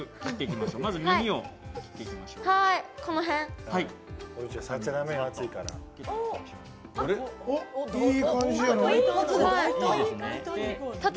まずは耳を切っていきましょう。